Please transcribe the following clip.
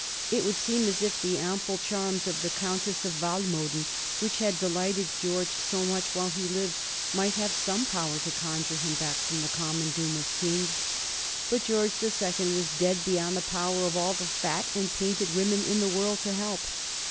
It would seem as if the ample charms of the Countess of Walmoden, which had delighted George so much while he lived, might have some power to conjure him back from the common doom of kings. But George the Sec ond was dead beyond the power of all the fat and painted women in the world to help.